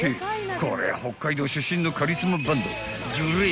［こりゃ北海道出身のカリスマバンドＧＬＡＹ